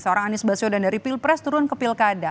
seorang anies baswedan dari pilpres turun ke pilkada